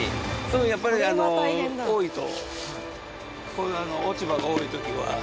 やっぱり多いと。